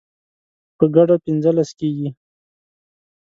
په ګډه پنځلس کیږي